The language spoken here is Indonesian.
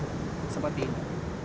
pakai ember plastik ini ya